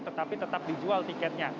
tetapi tetap dijual tiketnya